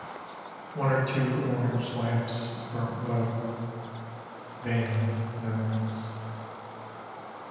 One or two orange lamps burnt low, Vain memories.